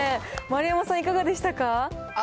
丸山さん、いかがでしたか。